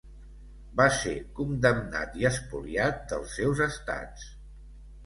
Va ser condemnat i espoliat dels seus estats.